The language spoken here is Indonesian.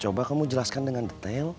coba kamu jelaskan dengan detail